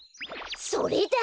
それだ！